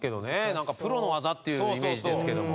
なんかプロの技っていうイメージですけども。